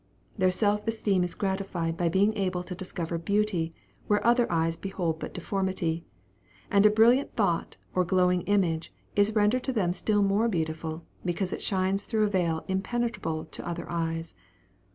Their self esteem is gratified by being able to discover beauty where other eyes behold but deformity: and a brilliant thought or glowing image is rendered to them still more beautiful, because it shines through a veil impenetrable to other eyes.